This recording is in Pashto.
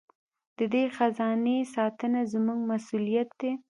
د دې خزانې ساتنه زموږ مسوولیت دی.